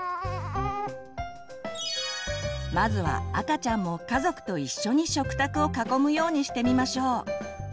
まずは赤ちゃんも家族と一緒に食卓を囲むようにしてみましょう。